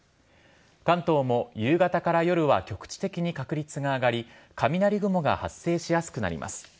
関東も夕方から夜は局地的に確率が上がり、雷雲が発生しやすくなります。